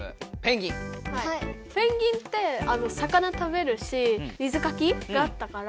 ペンギンって魚食べるし水かきがあったから。